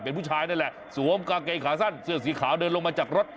เป็นผู้ชายนั่นแหละสวมกางเกงขาสั้นเสื้อสีขาวเดินลงมาจากรถ